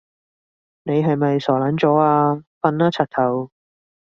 你係咪傻撚咗啊？瞓啦柒頭